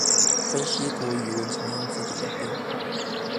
分析國語文常用字的演變